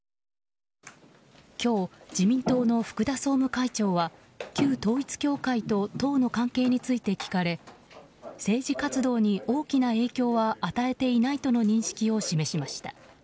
今日、自民党の福田総務会長は旧統一教会と党の関係について聞かれ政治活動に大きな影響は与えていないとの認識を示しました。